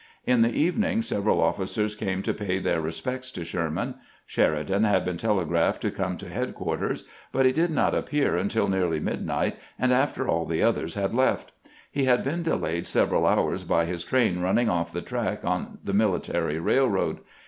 In the evening several oflficers came to pay their re spects to Sherman. Sheridan had been telegraphed to 422 CAMPAIGNING WITH GKANT come to headquarters, but lie did not appear until nearly midniglit, and after all the others had left. He had been delayed several hours by his train running oflE the track on the military railroad.